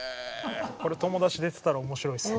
これ友達出てたら面白いですね。